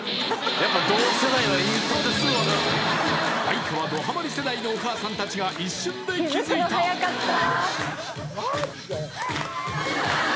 相川どハマり世代のお母さんたちが一瞬で気づいた！